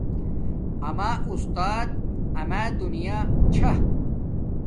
آما اُستات آما دنیا چھا